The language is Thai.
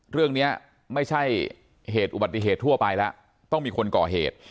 เรื่องนี้ไม่ใช่เหตุอุบัติเหตุทั่วไปแล้วต้องมีคนก่อเหตุ